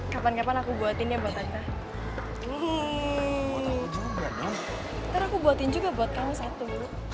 kapan kapan aku buatin ya buatan hai ini juga dong aku buatin juga buat kamu satu